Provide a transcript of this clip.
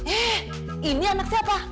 eh ini anak siapa